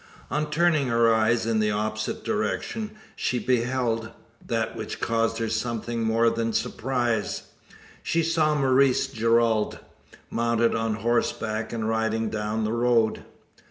On turning her eyes in the opposite direction, she beheld that which caused her something more than surprise. She saw Maurice Gerald, mounted on horseback, and riding down the road!